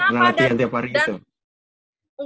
gak ada latihan tiap hari gitu